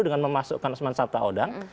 dengan memasukkan usman sabta odang